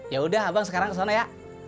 yaudah abang sekarang kesana ya